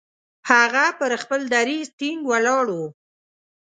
هغه پر خپل دریځ ټینګ ولاړ وو.